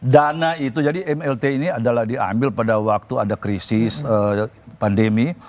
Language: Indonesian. dana itu jadi mlt ini adalah diambil pada waktu ada krisis pandemi